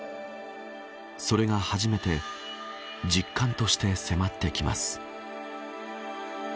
それが初めて実感として迫ってきます。